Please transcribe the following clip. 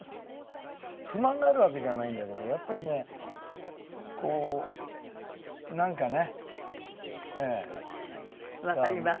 不満があるわけじゃないんだけどやっぱしねこうなんかねええ。わかります。